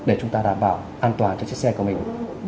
để chúng ta đảm bảo an toàn cho chiếc xe của mình